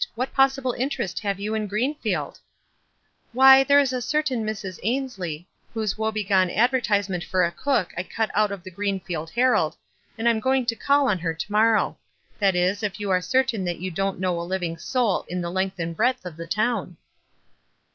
What possible interest have you in Greenfield ?" "Why, there is a certain Mrs. Ainslie, whose 286 286 WISE AND OTHERWISE woe begone advertisement for a cook I cut out of the Greenfield Herald, and I'm going to call on her to morrow; that is, if you are certain that you don't know a living soul in the length and breadth of the town."